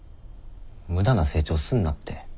無駄な成長すんなって。